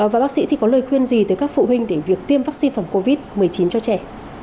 và bác sĩ thì có lời khuyên gì tới các phụ huynh để việc tiêm vaccine phòng covid một mươi chín cho trẻ